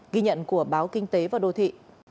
ghi nhận của báo kinh tế và đô thị